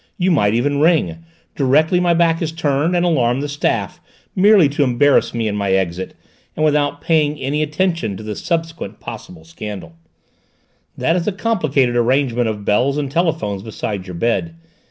You might even ring, directly my back is turned, and alarm the staff, merely to embarrass me in my exit, and without paying any attention to the subsequent possible scandal. That is a complicated arrangement of bells and telephones beside your bed!